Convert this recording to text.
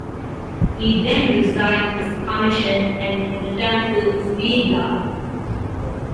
He then resigned his commission and returned to Zuidlaren.